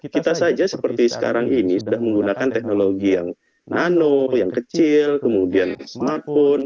kita saja seperti sekarang ini sudah menggunakan teknologi yang nano yang kecil kemudian smartphone